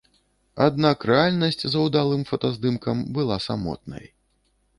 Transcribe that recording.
Аднак рэальнасць за ўдалым фотаздымкам была самотнай.